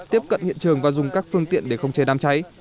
tiếp cận hiện trường và dùng các phương tiện để không chế đám cháy